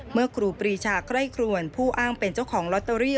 ครูปรีชาไคร่ครวนผู้อ้างเป็นเจ้าของลอตเตอรี่